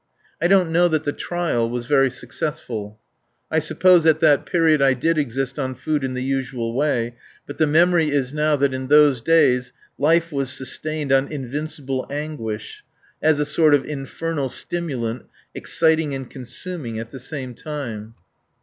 I don't know that the trial was very successful. I suppose at that period I did exist on food in the usual way; but the memory is now that in those days life was sustained on invincible anguish, as a sort of infernal stimulant exciting and consuming at the same time.